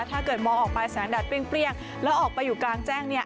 ถ้าเกิดมองออกไปแสงแดดเปรี้ยงแล้วออกไปอยู่กลางแจ้งเนี่ย